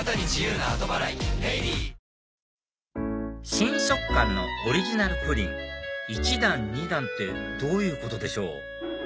新食感のオリジナルプリン１段２段ってどういうことでしょう？